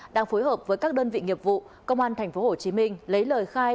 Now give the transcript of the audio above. đang phối hợp với các đơn vị nghiệp vụ công an tp hcm lấy lời khai